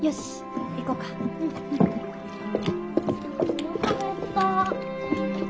おなか減った！